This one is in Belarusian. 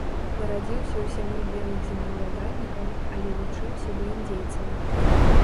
Нарадзіўся ў сям'і белых землеўладальнікаў, але лічыў сябе індзейцам.